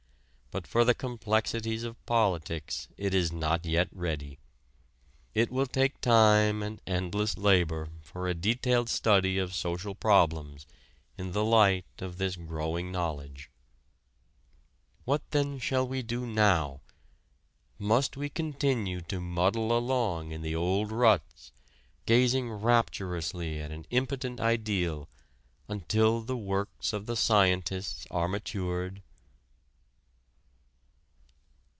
But for the complexities of politics it is not yet ready. It will take time and endless labor for a detailed study of social problems in the light of this growing knowledge. What then shall we do now? Must we continue to muddle along in the old ruts, gazing rapturously at an impotent ideal, until the works of the scientists are matured?